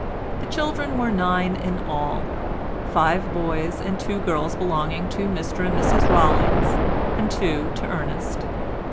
The children were nine in all—five boys and two girls belonging to Mr and Mrs Rollings, and two to Ernest.